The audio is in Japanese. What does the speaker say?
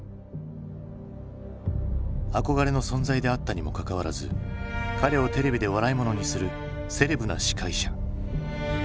憧れの存在であったにもかかわらず彼をテレビで笑い者にするセレブな司会者。